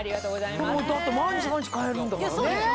だって毎日毎日替えるんだからね。